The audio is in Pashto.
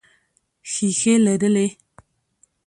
ښیښې لرلې.